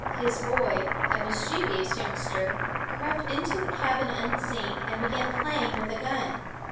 His boy, a mischievous youngster, crept into the cabin unseen, and began playing with a gun.